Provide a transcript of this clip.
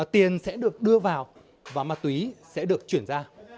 tiền sẽ được đưa vào và ma túy sẽ được chuyển ra